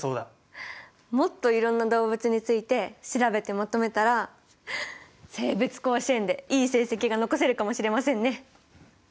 もっといろんな動物について調べてまとめたら生物甲子園でいい成績が残せるかもしれませんね。